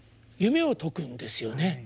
夢を解くんですよね。